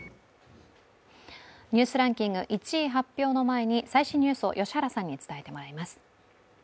ニュースランキング１位発表の前に最新ニュースを良原さんに伝えてもらいます。